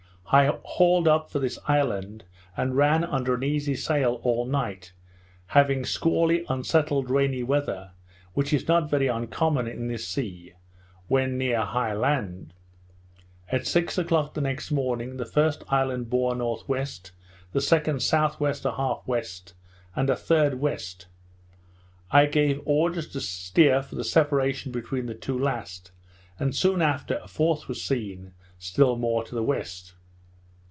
I hauled up for this island, and ran under an easy sail all night, having squally unsettled rainy weather, which is not very uncommon in this sea, when near high land. At six o'clock the next morning, the first island bore N.W., the second S.W. 1/2 W., and a third W. I gave orders to steer for the separation between the two last; and soon after, a fourth was seen, still more to the west.